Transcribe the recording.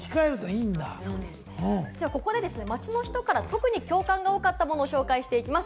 ではここで、街の人から特に共感が多かったものをご紹介していきます。